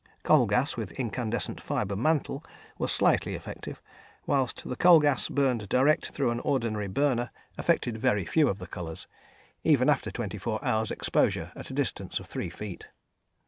Coal gas with incandescent fibre mantle was slightly effective, whilst the coal gas, burned direct through an ordinary burner, affected very few of the colours, even after twenty four hours' exposure at a distance of three feet.